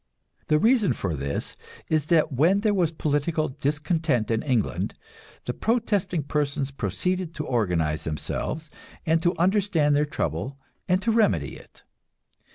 The reason for this is that when there was political discontent in England, the protesting persons proceeded to organize themselves, and to understand their trouble and to remedy it.